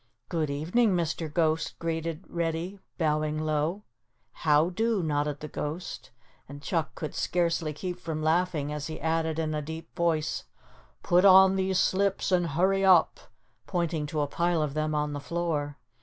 "Good evening, Mr. Ghost," greeted Reddy, bowing low. "How do," nodded the ghost and Chuck could scarcely keep from laughing as he added in a deep voice, "Put on these slips and hurry up," pointing to a pile of them on the floor.